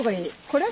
これ？